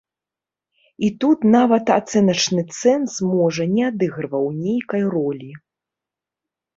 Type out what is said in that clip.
І тут нават ацэначны цэнз, можа, не адыгрываў нейкай ролі.